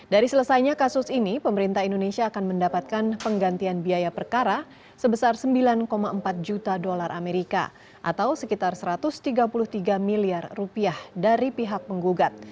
dari selesainya kasus ini pemerintah indonesia akan mendapatkan penggantian biaya perkara sebesar sembilan empat juta dolar amerika atau sekitar satu ratus tiga puluh tiga miliar rupiah dari pihak penggugat